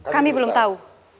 kami belum tahu